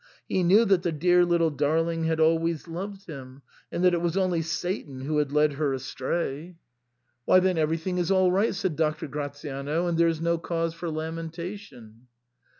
He knew that the dear little darling had always loved him, and that it was only Satan who had led her astray." SIGNOR FORMICA. i6i "Why then, everything is all right," said Doctor Gratiano, "and there's no cause for lamentation."